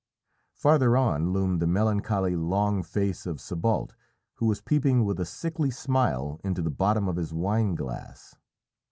Farther on loomed the melancholy long face of Sébalt, who was peeping with a sickly smile into the bottom of his wine glass.